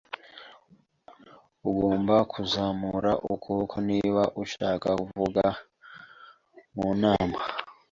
Ugomba kuzamura ukuboko niba ushaka kuvuga mu nama.